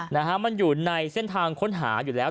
นะฮะมันอยู่ในเส้นทางค้นหาอยู่แล้ว